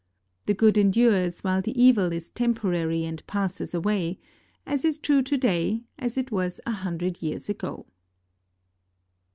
The good endures, while the evil is temporary and passes away, is as true to day as it was a hundred years ago.